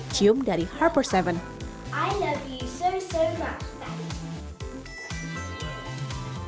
cium dari harper seven